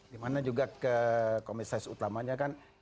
dimana juga ke komisaris utamanya kan